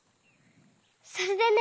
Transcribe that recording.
それでね。